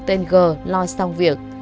tên g lo xong việc